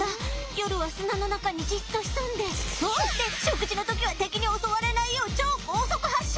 夜は砂の中にじっと潜んでそして食事の時は敵に襲われないよう超高速発射！